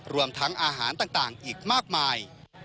รวมทั้งอาหารต่างอีกมากมาย